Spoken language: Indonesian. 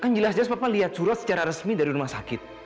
kan jelas jelas bapak lihat surat secara resmi dari rumah sakit